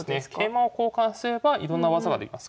桂馬を交換すればいろんな技ができます。